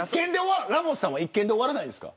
ラモスさんは１件で終わらないですか。